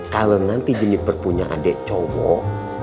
kalau nanti jenis berpunya adik cowok